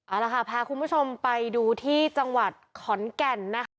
เอาละค่ะพาคุณผู้ชมไปดูที่จังหวัดขอนแก่นนะคะ